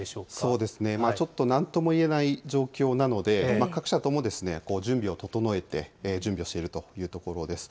そうですね、ちょっとなんとも言えない状況なので、各社とも、準備を整えて、準備をしているというところです。